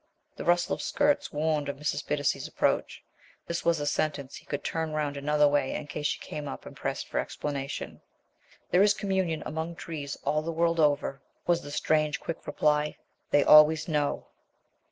The rustle of skirts warned of Mrs. Bittacy's approach. This was a sentence he could turn round another way in case she came up and pressed for explanation. "There is communion among trees all the world over," was the strange quick reply. "They always know."